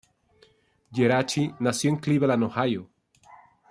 Geraci nació en Cleveland, Ohio.